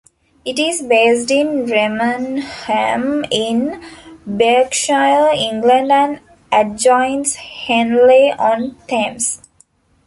It is based in Remenham in Berkshire, England and adjoins Henley-on-Thames.